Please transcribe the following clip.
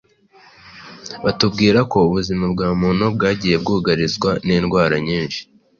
batubwira ko ubuzima bwa muntu bwagiye bwugarizwa n’indwara nyinshi